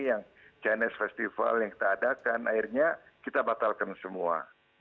yang chinese festival yang kita adakan akhirnya kita batalkan semua